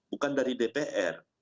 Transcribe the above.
bukan dari dpr